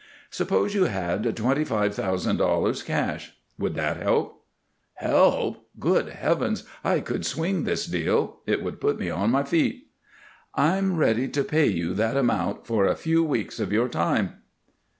"Suppose you had twenty five thousand dollars, cash; would that help?" "Help! Great Heavens! I could swing this deal; it would put me on my feet." "I'm ready to pay you that amount for a few weeks of your time."